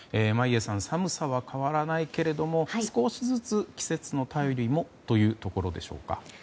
眞家さん寒さは変わらないけれども少しずつ季節の便りもというところでしょうか？